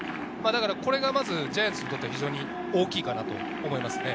これがまずジャイアンツにとって大きいかなと思います。